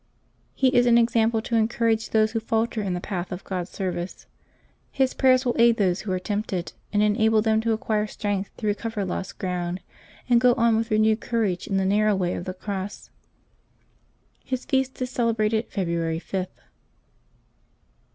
He is an example to encourage those who falter in the path of God's service; his prayers will aid those who are tempted, and enable them to acquire strength to recover lost ground and go on with renewed courage in the narrow way of the cross. His feast is celebrated February 5th.